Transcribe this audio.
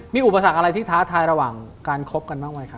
มีอุปสรรคอะไรที่ท้าทายระหว่างการคบกันบ้างไหมครับ